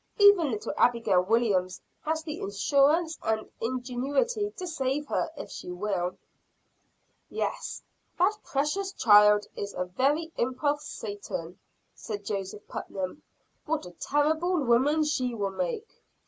Even little Abigail Williams has the assurance and ingenuity to save her, if she will." "Yes, that precocious child is a very imp of Satan," said Joseph Putnam. "What a terrible woman she will make."